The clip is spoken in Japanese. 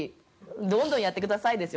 どんどんやってくださいですよ